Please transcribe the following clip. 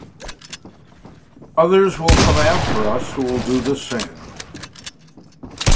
Others will come after us who will do the same.